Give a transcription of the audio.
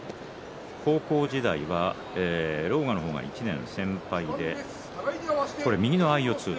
高校時代は狼雅の方が１年先輩で右の相四つ。